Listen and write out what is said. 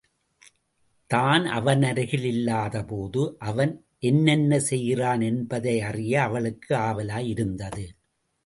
தான் அவனருகில் இல்லாத போது அவன் என்னென்ன செய்கிறான் என்பதையறிய அவளுக்கு ஆவலாயிருந்தது.